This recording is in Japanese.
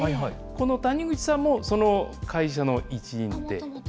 この谷口さんも、その会社の一員で。